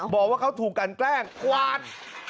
บอกว่าเขาถูกกันแกล้งกวาด